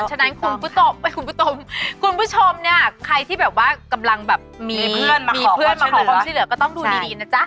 ฉะนั้นคุณผู้ชมเนี่ยใครที่แบบว่ากำลังแบบมีเพื่อนมาขอความชื่อเหลือก็ต้องดูดีนะจ๊ะ